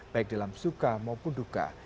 baik dalam suka maupun duka